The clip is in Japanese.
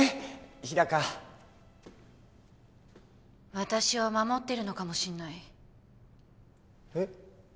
日高私を守ってるのかもしんないえっ？